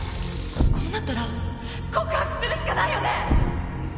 こうなったら告白するしかないよね！？